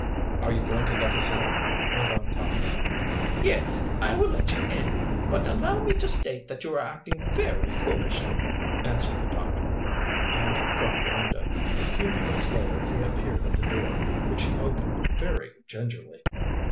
"Are you going to let us in?" went on Tom. "Yes, I will let you in. But allow me to state that you are acting very foolishly," answered the doctor, and dropped the window. A few minutes later he appeared at the door, which he opened very gingerly.